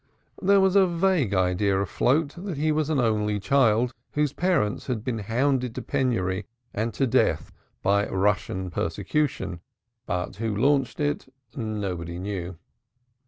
There was a vague idea afloat that he was an only child whose parents had been hounded to penury and death by Russian persecution, but who launched it nobody knew.